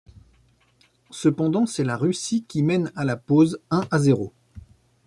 Cependant, c'est la Russie qui mène à la pause un à zéro.